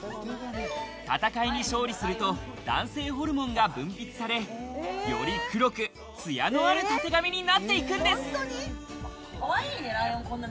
戦いに勝利すると男性ホルモンが分泌され、より黒く、艶のある立髪になっていくんです。